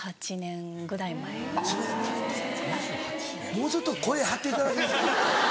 もうちょっと声張っていただけますか？